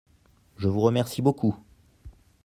Je vous remercie beaucoup.